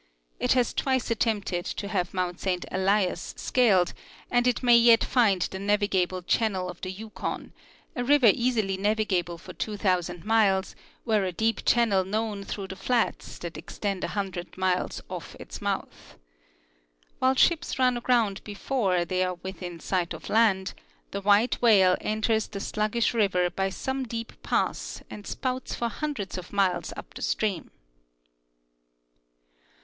It has twice attempted to have mount Saint Elias scaled, and it may yet find the navigable channel of the Yukon, a river easily navigable for two thousand miles were a deep channel known through the fiats that extend a hundred miles ofi' its mouth. While ships run aground before they are within sight of land, the white whale enters the slug gish river by some deep pass and spouts for hundreds of miles uja the stream.